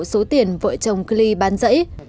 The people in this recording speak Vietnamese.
số tiền vợ chồng klee bán rẫy